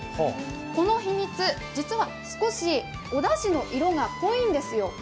この秘密、実は少しおだしの色が濃いんですよ。